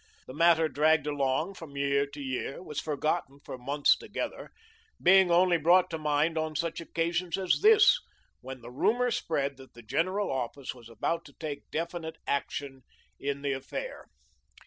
The matter dragged along from year to year, was forgotten for months together, being only brought to mind on such occasions as this, when the rumour spread that the General Office was about to take definite action in the affair.